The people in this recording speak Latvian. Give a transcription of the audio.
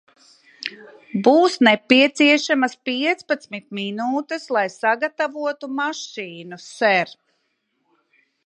Būs nepieciešamas piecpadsmit minūtes, lai sagatavotu mašīnu, ser.